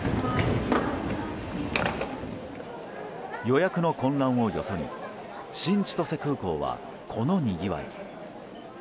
予約の混乱をよそに新千歳空港は、このにぎわい。